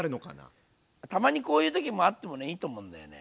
たまにこういう時もあってもねいいと思うんだよね。